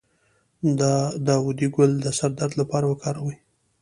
د داودي ګل د سر درد لپاره وکاروئ